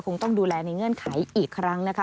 คงต้องดูแลในเงื่อนไขอีกครั้งนะคะ